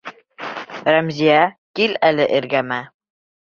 Рәмзиә, кил әле эргәмә.